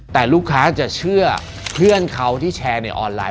แต่ลูกค้าจะเชื่อเพื่อนเขาที่แชร์ในออนไลน